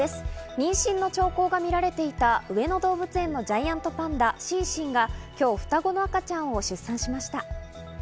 妊娠の兆候が見られていた上野動物園のジャイアントパンダ・シンシンが今日、双子の赤ちゃんを出産しました。